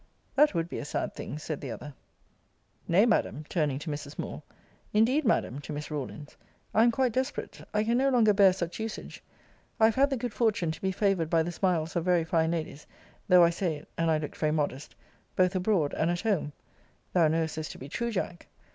That would be a sad thing! said the other. Nay, Madam, [turning to Mrs. Moore,] Indeed, Madam, [to Miss Rawlins,] I am quite desperate. I can no longer bear such usage. I have had the good fortune to be favoured by the smiles of very fine ladies, though I say it [and I looked very modest] both abroad and at home [Thou knowest this to be true, Jack].